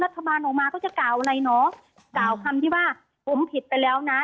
ออกมาเขาจะกล่าวอะไรเนาะกล่าวคำที่ว่าผมผิดไปแล้วนะ